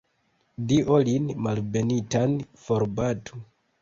Dio lin malbenitan forbatu!